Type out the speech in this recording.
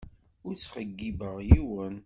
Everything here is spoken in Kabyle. Ur ttxeyyibeɣ yiwen.